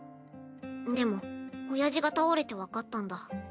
でもおやじが倒れて分かったんだ。